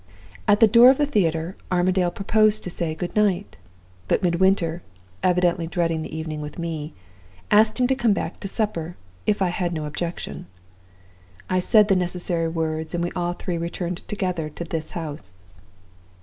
"At the door of the theater Armadale proposed to say good night. But Midwinter evidently dreading the evening with me asked him to come back to supper, if I had no objection. I said the necessary words, and we all three returned together to this house.